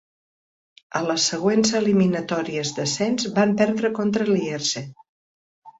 A les següents eliminatòries d'ascens van perdre contra Lierse.